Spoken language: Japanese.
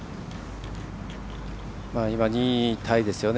今、２位タイですよね